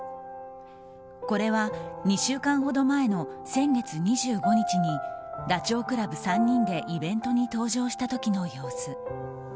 これは２週間ほど前の先月２５日にダチョウ倶楽部３人でイベントに登場した時の様子。